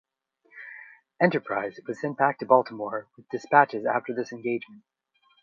"Enterprise" was sent back to Baltimore with dispatches after this engagement.